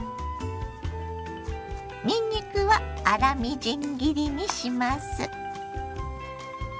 にんにくは粗みじん切りにします。